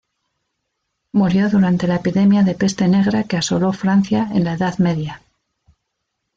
Murió durante la epidemia de peste negra que asoló Francia en la Edad Media.